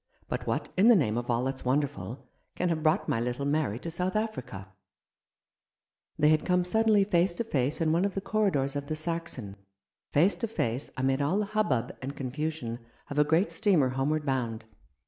But what in the name of all that's wonderful can have brought my little Mary to South Africa ?" They had come suddenly face to face in one of the corridors of the Saxon; face to face amid all the hubbub and confusion of a great steamer homeward bound.